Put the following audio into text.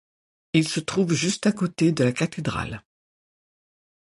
Il se trouve juste à côté de la cathédrale.